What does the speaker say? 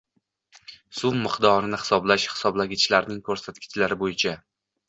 Suv miqdorini hisoblash hisoblagichlarning ko‘rsatkichlari bo‘yicha